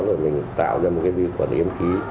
rồi mình tạo ra một vi quần yên khí